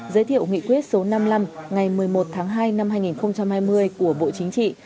giới thiệu nghị quyết số năm mươi năm ngày một mươi một tháng hai năm hai nghìn hai mươi của bộ chính trị